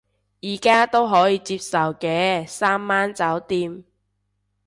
而家都可以接受嘅，三晚酒店